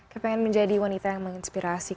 saya pengen menjadi wanita yang menginspirasi